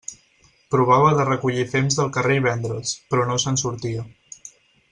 Provava de recollir fems del carrer i vendre'ls, però no se'n sortia.